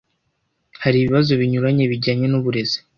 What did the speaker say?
hari ibibazo binyuranye bijyanye n’uburezi